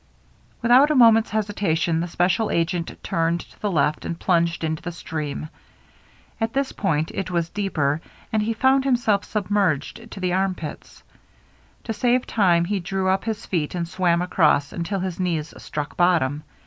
Without a moment's hesitation the special agent turned to the left and plunged into the stream. At this point it was deeper, and he found himself submerged to the armpits. To save time he drew up his feet and swam across until his knees struck bottom.